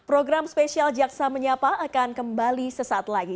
program spesial jaksa menyapa akan kembali sesaat lagi